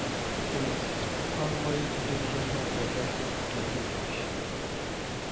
ساینس پوهان وایي چې ډیر ژر به په فضا کې هوټلونه جوړ شي.